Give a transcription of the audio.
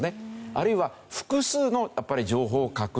あるいは複数の情報を確認する。